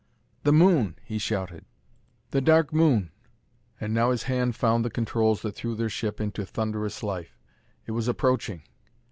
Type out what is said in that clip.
"The Moon!" he shouted. "The Dark Moon!" And now his hand found the controls that threw their ship into thunderous life. It was approaching!